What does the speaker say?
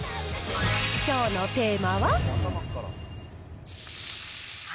きょうのテーマは？